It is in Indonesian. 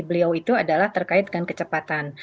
beliau itu adalah terkait dengan kecepatan